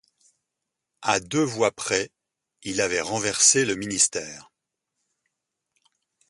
A deux voix près, il avait renversé le ministère.